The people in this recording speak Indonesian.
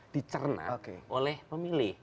dicernak oleh pemilih